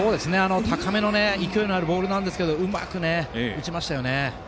高めの勢いのあるボールをうまく打ちましたよね。